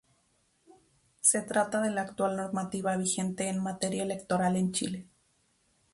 Se trata de la actual normativa vigente en materia electoral en Chile.